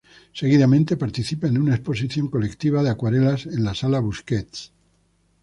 Seguidamente, participa en una exposición colectiva de acuarelas en la Sala Busquets.